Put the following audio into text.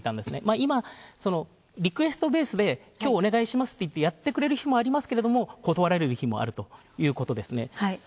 今、リクエストベースで「きょうお願いします」って言ってやってくれるときもありますけど断られる日もあるということですね。